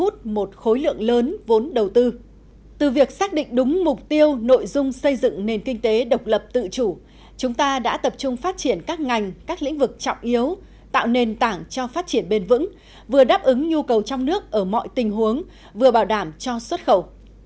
từ việc xác định đúng mục tiêu nội dung xây dựng nền kinh tế độc lập tự chủ chúng ta đã tập trung phát triển các ngành các lĩnh vực trọng yếu tạo nền tảng cho phát triển bền vững vừa đáp ứng nhu cầu trong nước ở mọi tình huống vừa bảo đảm cho xuất khẩu